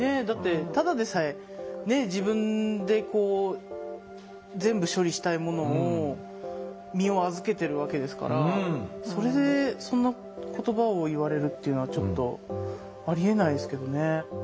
だってただでさえ自分で全部処理したいものを身を預けてるわけですからそれでそんな言葉を言われるっていうのはちょっとありえないですけどね。